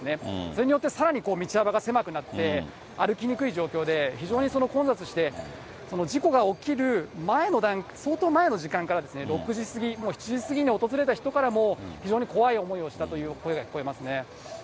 それによって、さらに道幅が狭くなって、歩きにくい状況で、非常に混雑して、その事故が起きる前の、相当前の時間から、６時過ぎ、もう７時過ぎに訪れた人からも、非常に怖い思いをしたという声が聞こえますね。